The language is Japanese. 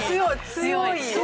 強い！